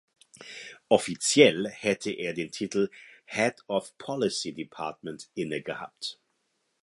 Offiziell hätte er den Titel „Head of Policy Department“ innegehabt.